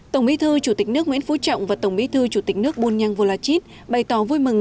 tổng bí thư chủ tịch nước nguyễn phú trọng và tổng bí thư chủ tịch nước bunyang volachit bày tỏ vui mừng